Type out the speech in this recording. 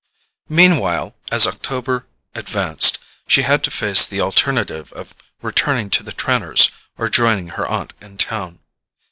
Meanwhile, as October advanced she had to face the alternative of returning to the Trenors or joining her aunt in town.